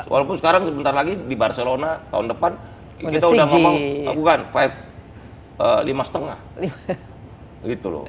walaupun sekarang sebentar lagi di barcelona tahun depan kita sudah ngomong lima lima